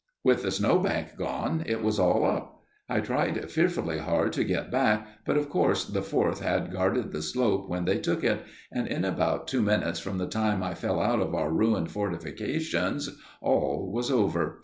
With the snowbank gone, it was all up. I tried fearfully hard to get back, but of course the Fourth had guarded the slope when they took it, and in about two minutes from the time I fell out of our ruined fortifications, all was over.